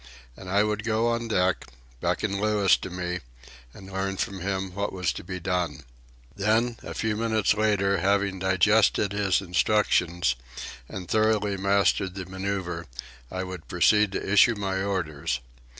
And I would go on deck, beckon Louis to me, and learn from him what was to be done. Then, a few minutes later, having digested his instructions and thoroughly mastered the manœuvre, I would proceed to issue my orders.